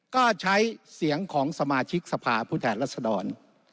ก็ใช้เสียงของสมาชิกสภาพผู้แทนรัศดร